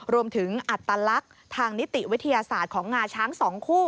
อัตลักษณ์ทางนิติวิทยาศาสตร์ของงาช้าง๒คู่